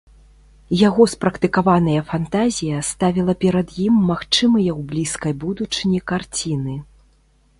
Яго спрактыкаваная фантазія ставіла перад ім магчымыя ў блізкай будучыні карціны.